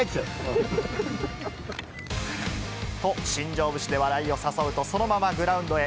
と、新庄節で笑いを誘うとそのままグラウンドへ。